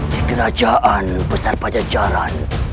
di kerajaan besar pajajaran